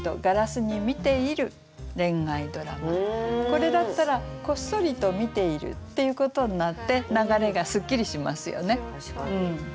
これだったら「こっそりと見ている」っていうことになって流れがすっきりしますよね。